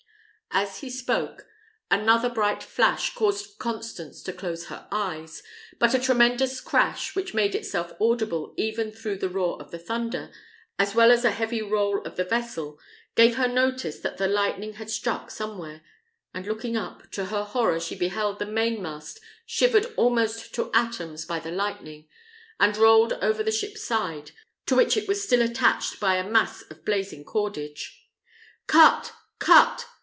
As he spoke, another bright flash caused Constance to close her eyes; but a tremendous crash, which made itself audible even through the roar of the thunder, as well as a heavy roll of the vessel, gave her notice that the lightning had struck somewhere; and looking up, to her horror she beheld the mainmast shivered almost to atoms by the lightning, and rolled over the ship's side, to which it was still attached by a mass of blazing cordage. "Cut! cut!